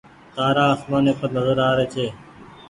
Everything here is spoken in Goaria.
تآرآ آسمآني پر نزر آري ڇي۔